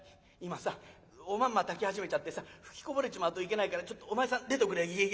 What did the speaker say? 「今さおまんま炊き始めちゃってさ吹きこぼれちまうといけないからちょっとお前さん出ておくれよ」。